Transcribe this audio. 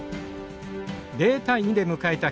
０対２で迎えた